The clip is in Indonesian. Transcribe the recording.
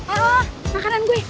aduh makanan gue